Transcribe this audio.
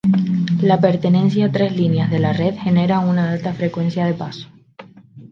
La pertenencia a tres líneas de la red genera una alta frecuencia de paso.